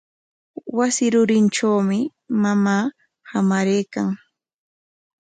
Wasi rurintrawmi mamaa hamaraykan.